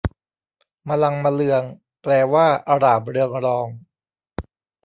มลังเมลือง แปลว่า อร่ามเรืองรอง